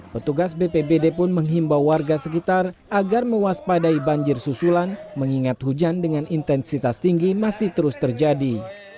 petugas bpbd pun menghimbau warga sekitar agar mewaspadai banjir susulan mengingat hujan dengan intensitas tinggi masih terus terjadi